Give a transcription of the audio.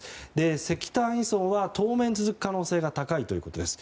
石炭依存は、当面続く可能性が高いということです。